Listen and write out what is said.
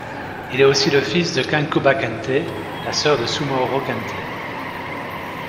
Il est aussi le fils de Kankoumba Kanté, la sœur de Soumaoro Kanté.